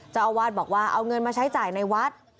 เจ้าอาวาสบอกว่าเอาเงินมาใช้จ่ายในวัด